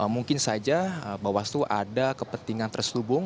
mungkin saja bawaslu ada kepentingan terselubung